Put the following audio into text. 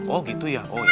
oh gitu ya